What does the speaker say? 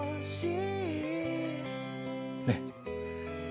ねっ？